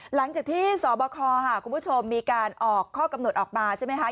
หลังจากที่สบคคุณผู้ชมมีการออกข้อกำหนดออกมาใช่ไหมคะ